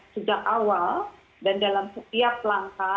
sejak awal dan dalam setiap langkah